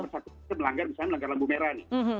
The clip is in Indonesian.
yang bersangkutan misalnya melanggar lambu merah